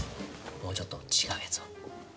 もうちょっと違うやつを。